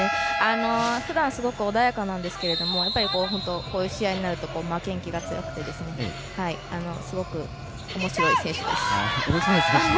ふだん、すごく穏やかなんですが本当、こういう試合になると負けん気が強くてすごくおもしろい選手です。